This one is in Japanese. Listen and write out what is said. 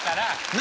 何？